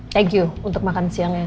terima kasih untuk makan siangnya